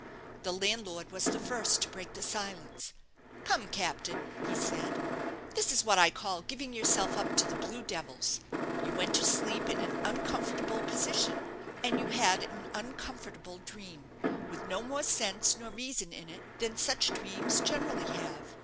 The landlord was the first to break the silence. "Come, captain," he said; "this is what I call giving yourself up to the blue devils. You went to sleep in an uncomfortable position, and you had an uncomfortable dream, with no more sense nor reason in it than such dreams generally have.